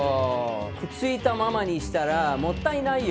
くっついたままにしたらもったいないよ。